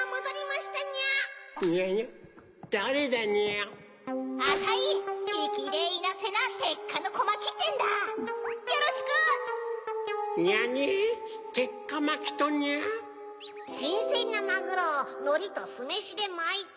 しんせんなマグロをのりとすめしでまいて。